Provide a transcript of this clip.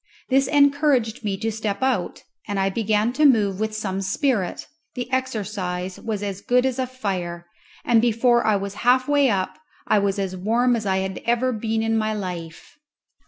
This encouraged me to step out, and I began to move with some spirit; the exercise was as good as a fire, and before I was half way up I was as warm as ever I had been in my life.